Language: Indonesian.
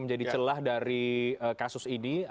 menjadi celah dari kasus ini